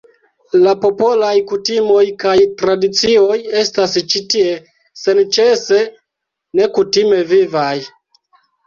La popolaj kutimoj kaj tradicioj estas ĉi tie senĉese nekutime vivaj.